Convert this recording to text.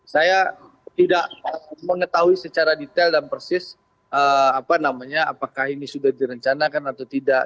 saya tidak mengetahui secara detail dan persis apakah ini sudah direncanakan atau tidak